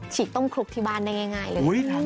ฉีกต้มคลุกที่บ้านได้ง่ายเลย